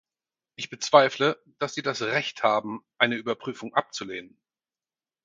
Ich bezweifle, dass Sie das Recht haben, eine Überprüfung abzulehnen.